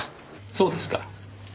そうですか。